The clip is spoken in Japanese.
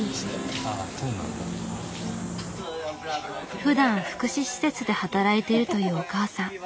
ふだん福祉施設で働いてるというお母さん。